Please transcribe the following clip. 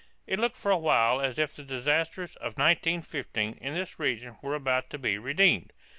It looked for a while as if the disasters of 1915 in this region were about to be redeemed.